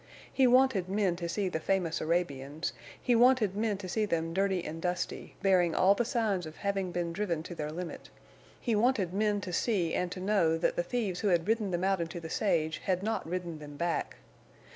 He wanted men to see the famous Arabians; he wanted men to see them dirty and dusty, bearing all the signs of having been driven to their limit; he wanted men to see and to know that the thieves who had ridden them out into the sage had not ridden them back.